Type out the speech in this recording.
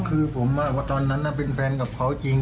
คือผมว่าตอนนั้นเป็นแฟนกับเขาจริง